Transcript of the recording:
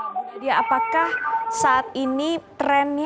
bu nadia apakah saat ini trennya